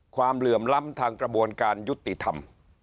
ความเรื่องล้ำทางกระบวนการยุติธรรม